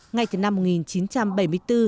ngay từ năm một nghìn chín trăm chín mươi bảy